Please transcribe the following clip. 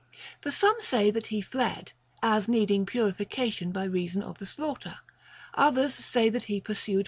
For some say that he fled, as needing purification by reason of the slaughter ; others say that he pursued THE GREEK QUESTIONS.